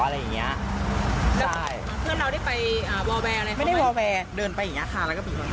แล้วก็แยกย้ายกันไปเธอก็เลยมาแจ้งความ